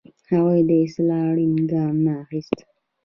هغوی د اصلاح اړین ګام نه اخیسته.